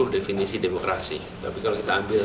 definisi demokrasi tapi kalau kita ambil